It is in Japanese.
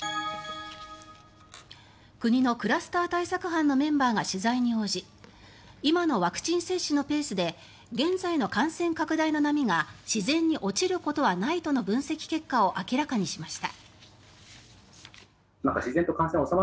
国のクラスター対策班のメンバーが取材に応じ今のワクチン接種のペースで現在の感染拡大の波が自然に落ちることはないとの分析結果を明らかにしました。